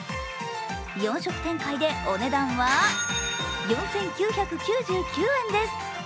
４色展開でお値段は４９９９円です。